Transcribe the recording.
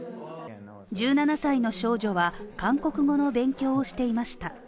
１７歳の少女は韓国語の勉強をしていました。